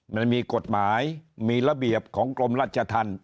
มันมีกฎหมายมีระเบียบของกรมราชธรรม